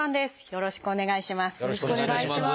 よろしくお願いします。